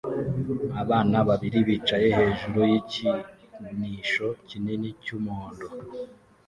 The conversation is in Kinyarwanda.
Abana babiri bicaye hejuru yikinisho kinini cyumuhondo